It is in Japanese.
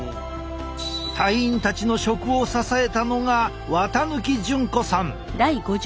隊員たちの食を支えたのが渡貫淳子さん！